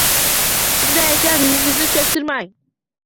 Shunday ekan, ruhingizni cho‘ktirmang.